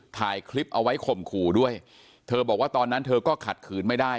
ถ่ายคลิปเอาไว้ข่มขู่ด้วยเธอบอกว่าตอนนั้นเธอก็ขัดขืนไม่ได้